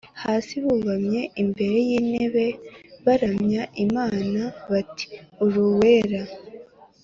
Hasi bubamye imbere y’ intebe baramya Imana bati uruwera